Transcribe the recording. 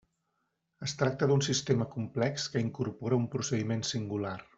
Es tracta d'un sistema complex que incorpora un procediment singular.